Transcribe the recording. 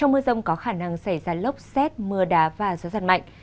mưa rông có khả năng xảy ra lốc xét mưa đá và gió giật mạnh